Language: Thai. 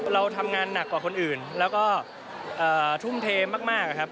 เราทำงานหนักกว่าคนอื่นแล้วก็ทุ่มเทมากครับ